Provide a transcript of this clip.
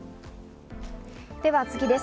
では次です。